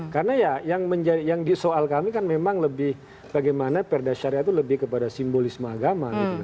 karena ya yang di soal kami kan memang lebih bagaimana perdasyariah itu lebih kepada simbolisme agama